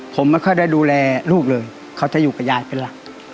ผมไม่ค่อยได้ดูแลลูกเลยเขาจะอยู่กับยายเป็นหลัก